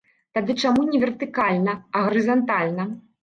Тады чаму не вертыкальна, а гарызантальна?